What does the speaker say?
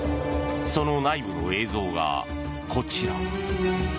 その内部の映像がこちら。